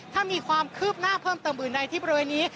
ถ้ามีความคืบหน้าเพิ่มเติมอื่นใดที่บริเวณนี้